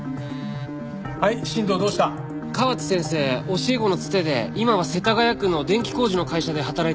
教え子のつてで今は世田谷区の電気工事の会社で働いているみたいです。